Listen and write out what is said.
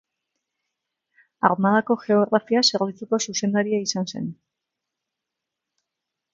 Armadako geografia zerbitzuko zuzendaria izan zen.